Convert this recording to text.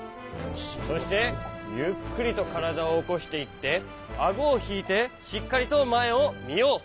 そしてゆっくりとからだをおこしていってあごをひいてしっかりとまえをみよう。